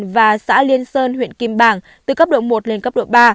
và xã liên sơn huyện kim bảng từ cấp độ một lên cấp độ ba